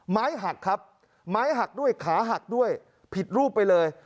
ไม้หักครับไม้หักด้วยขาหักด้วยผิดรูปไปเลย